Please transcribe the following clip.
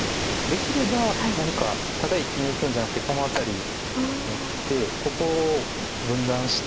できれば何かただ生きにいくんじゃなくてこの辺りに打ってここを分断して。